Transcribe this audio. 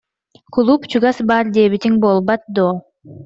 Кулууп чугас баар диэбитиҥ буолбат дуо